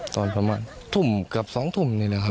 ตอนโมงวันทุ่มกับสองทุ่มนี่แหละครับ